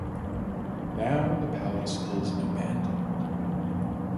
Now the palace is abandoned.